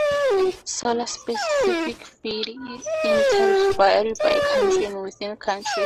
Solar-specific feed-in tariffs vary by country and within countries.